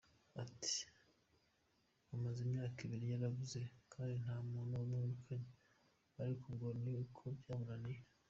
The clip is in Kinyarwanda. Ati “Amaze Imyaka ibiri yarabuze kandi nta muntu wamwirukanye, ariko ubwo ni uko byamunaniye.